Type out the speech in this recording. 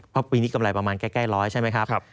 เพราะปีนี้กำไรประมาณใกล้ร้อยใช่ไหมครับ